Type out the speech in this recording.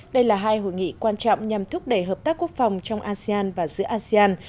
đây là hai hội nghị quan trọng nhằm thúc đẩy hợp tác quốc phòng trong asean và giữa asean